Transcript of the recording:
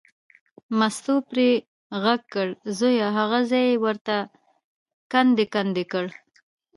مستو پرې غږ کړ، زویه هغه ځای یې ورته کندې کندې کړ.